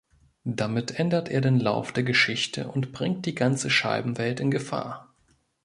Damit ändert er den Lauf der Geschichte und bringt die ganze Scheibenwelt in Gefahr.